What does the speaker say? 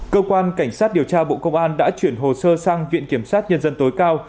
cơ quan cảnh sát điều tra bộ công an đã chuyển hồ sơ sang viện kiểm sát nhân dân tối cao